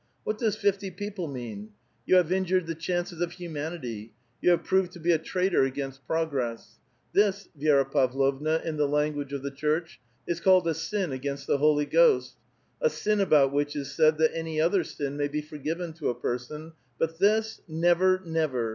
What does fifty people mean? You have injured the chances of humanity ; you have proveil to be a traitor against progress. This, Vi6ra Pavlovna, in the lan guage of the Cluu'ch, is called a sin against the Holy Ghost, — a sin about which is said that any other sin may be for given to a person, but this, never, never.